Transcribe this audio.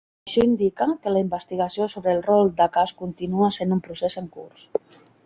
Això indica que la investigació sobre el rol de cas continua sent un procés en curs.